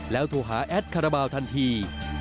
โทรหาแอดคาราบาลทันที